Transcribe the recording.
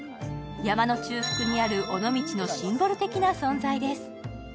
山の中腹にある尾道のシンボル的な存在です。